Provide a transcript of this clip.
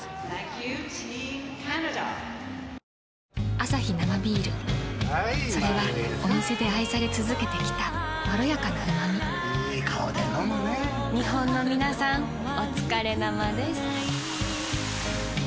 アサヒ生ビールそれはお店で愛され続けてきたいい顔で飲むね日本のみなさんおつかれ生です。